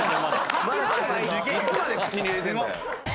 いつまで口に入れてんだよ！